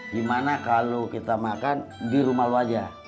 gimana kalau kita makan di rumah lu aja